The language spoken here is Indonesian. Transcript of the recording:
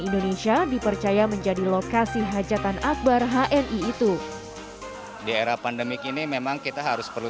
indonesia dipercaya menjadi lokasi hajatan akbar hni itu di era pandemik ini memang kita harus perlu